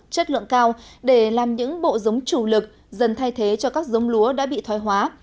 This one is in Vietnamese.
chất lượng cao để làm những bộ giống chủ lực dần thay thế cho các giống lúa đã bị thoái hóa